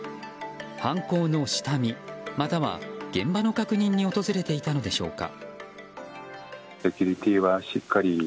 犯行の下見、または現場の確認に訪れていたのでしょうか。